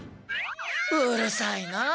うるさいなあ。